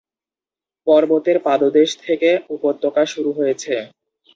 পর্বতের পাদদেশ থেকে উপত্যকা শুরু হয়েছে।